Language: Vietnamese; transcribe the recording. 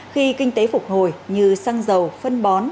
khi kinh tế phục hồi như xăng dầu phân bón